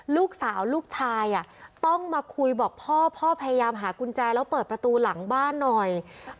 ลูกชายต้องมาคุยบอกพ่อพ่อพยายามหากุญแจแล้วเปิดประตูหลังบ้านหน่อย